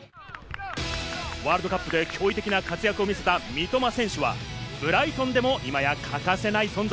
ワールドカップで驚異的な活躍を見せた三笘選手は、ブライトンでも今や欠かせない存在。